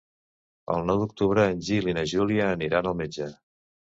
El nou d'octubre en Gil i na Júlia aniran al metge.